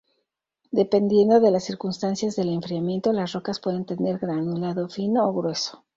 Dependiendo de las circunstancias del enfriamiento, las rocas pueden tener granulado fino o grueso.